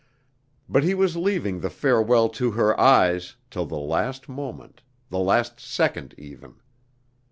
But he was leaving the farewell to her eyes, till the last moment, the last second even.